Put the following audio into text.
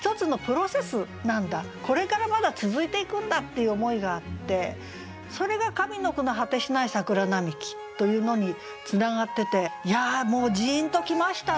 これからまだ続いていくんだっていう思いがあってそれが上の句の「果てしない桜並木」というのにつながってていやもうじんと来ましたね。